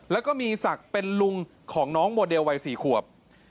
แล้วก็มีศักดิ์เป็นลุงของน้องโมเดลวัย๔ขวบ